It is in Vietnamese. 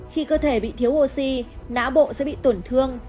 khi cơ thể bị thiếu oxy não bộ sẽ bị tổn thương